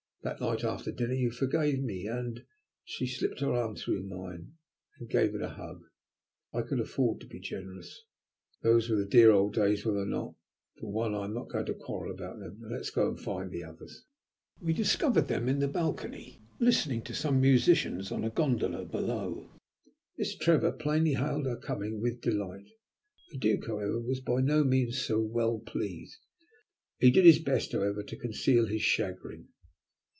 That night after dinner you forgave me and " She slipped her arm through mine and gave it a hug. I could afford to be generous. "Those were dear old days, were they not? I, for one, am not going to quarrel about them. Now let us go and find the others." We discovered them in the balcony, listening to some musicians in a gondola below. Miss Trevor plainly hailed our coming with delight; the Duke, however, was by no means so well pleased. He did his best, however, to conceal his chagrin.